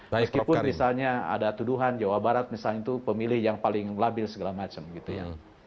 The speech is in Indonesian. meskipun misalnya ada tuduhan jawa barat misalnya itu pemilih yang paling labil segala macam gitu ya